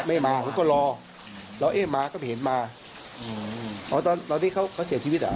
แต่วันนั้นคือเราไม่ได้เจอนางกับทางผู้เสียชีวิต